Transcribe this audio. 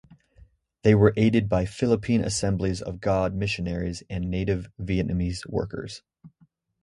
They were aided by Philippine Assemblies of God missionaries and native Vietnamese workers.